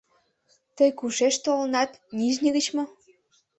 — Тый кушеч толынат, Нижний гыч мо?